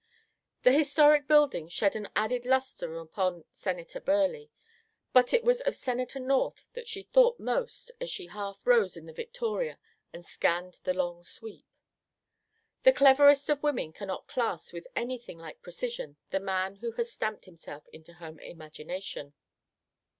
The historic building shed an added lustre upon Senator Burleigh; but it was of Senator North that she thought most as she half rose in the Victoria and scanned the long sweep. The cleverest of women cannot class with anything like precision the man who has stamped himself into her imagination.